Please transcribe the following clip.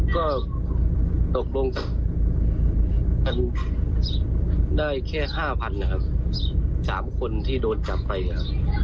ก็ตกลงได้แค่ห้าพันนะครับสามคนที่โดนจับไปนะครับ